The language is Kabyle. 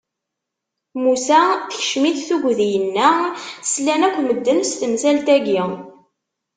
Musa tekcem-it tugdi, inna: Slan akk medden s temsalt-agi!